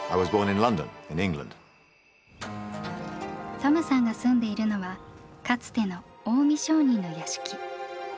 トムさんが住んでいるのはかつての近江商人の屋敷。